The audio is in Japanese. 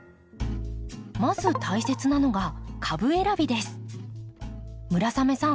まず大切なのが村雨さん